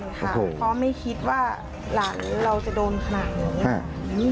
ใช่ค่ะเพราะไม่คิดว่าหลังเราจะโดนขนาดนี้